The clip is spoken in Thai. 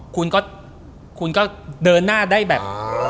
คุณก็เดินหน้าได้แบบ